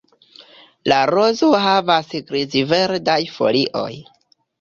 La rozoj havas griz-verdaj folioj.